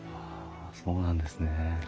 ああそうなんですね。